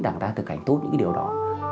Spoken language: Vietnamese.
đảng ta thực hành tốt những điều đó